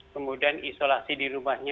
kemudian isolasi di rumahnya